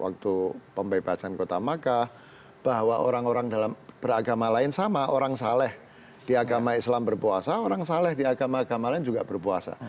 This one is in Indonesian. waktu pembebasan kota makkah bahwa orang orang dalam beragama lain sama orang saleh di agama islam berpuasa orang saleh di agama agama lain juga berpuasa